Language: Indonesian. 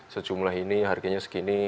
sejumlah ini harganya segini